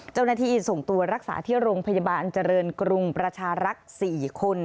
เจ้าหน้าที่ส่งตัวรักษาที่โรงพยาบาลเจริญกรุงประชารักษ์๔คน